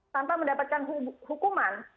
tanpa mendapatkan hukuman